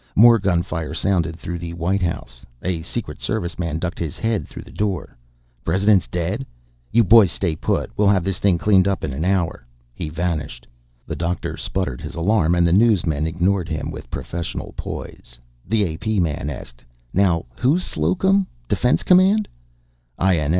More gunfire sounded through the White House. A Secret Serviceman ducked his head through the door: "President's dead? You boys stay put. We'll have this thing cleaned up in an hour " He vanished. The doctor sputtered his alarm and the newsmen ignored him with professional poise. The A.P. man asked: "Now who's Slocum? Defense Command?" I.